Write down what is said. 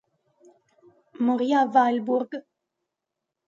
Morì a Weilburg.